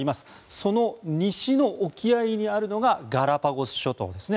その西の沖合にあるのがガラパゴス諸島ですね。